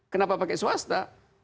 kenapa pakai swasta